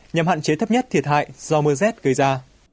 nhằm hạn chế thấp nhất thiệt hại do mưa rét gây ra